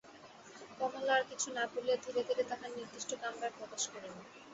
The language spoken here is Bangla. কমলা আর কিছু না বলিয়া ধীরে ধীরে তাহার নির্দিষ্ট কামরায় প্রবেশ করিল।